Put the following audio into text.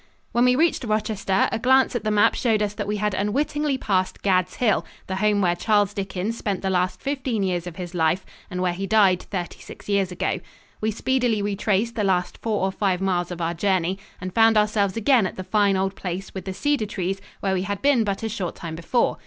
When we reached Rochester, a glance at the map showed us that we had unwittingly passed Gad's Hill, the home where Charles Dickens spent the last fifteen years of his life and where he died thirty six years ago. We speedily retraced the last four or five miles of our journey and found ourselves again at the fine old place with the cedar trees where we had been but a short time before.